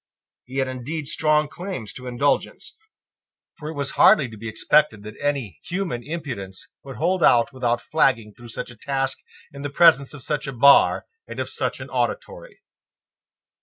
He had indeed strong claims to indulgence: for it was hardly to be expected that any human impudence would hold out without flagging through such a task in the presence of such a bar and of such an auditory.